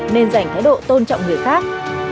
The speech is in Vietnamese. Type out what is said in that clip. nên dành thái độ tôn trọng người khác